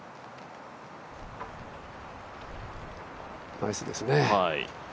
ナイスですね。